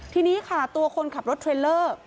ทีนี้ค่ะตัวคนขับรถเทรลเลอร์